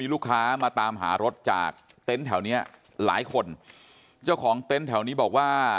ลูกค้ามาตามหารถจากเต็นต์แถวเนี้ยหลายคนเจ้าของเต็นต์แถวนี้บอกว่า